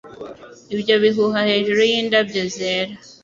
Ibyo bihuha hejuru yindabyo zera